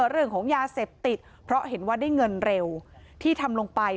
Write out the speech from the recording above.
เรื่องของยาเสพติดเพราะเห็นว่าได้เงินเร็วที่ทำลงไป